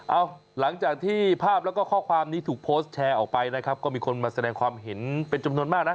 หลังจากที่ภาพแล้วก็ข้อความนี้ถูกโพสต์แชร์ออกไปนะครับก็มีคนมาแสดงความเห็นเป็นจำนวนมากนะ